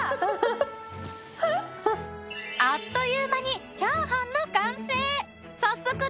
あっという間にチャーハンの完成！